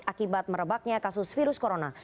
akibat merebaknya kasus virus corona